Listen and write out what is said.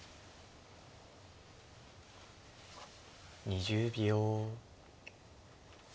２０秒。